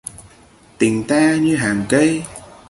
Tình ta như hàng cây